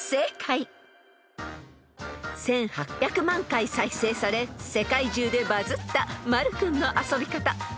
［１，８００万回再生され世界中でバズったまる君の遊び方。